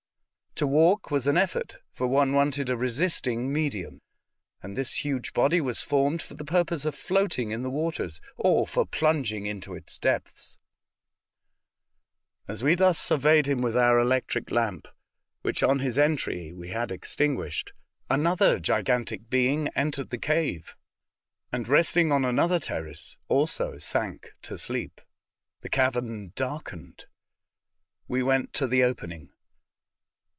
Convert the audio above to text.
To walk was an effort, for one wanted a resisting medium, and this huge body was formed for the purpose of floating in the waters, or for plunging into its depths. As we thus surveyed him with our electric lamp, which on his entry we had extinguished, another gigantic being entered the cave, and resting on another terrace also sank to sleep. The cavern darkened. We went to the open ing.